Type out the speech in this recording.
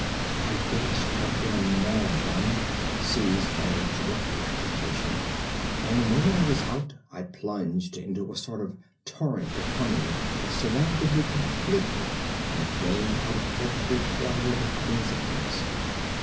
I dashed out in a mad run, seized by a dreadful agitation, and the moment I was out I plunged into a sort of torrent of humming that surrounded me completely and came out of every quarter of the heavens at once.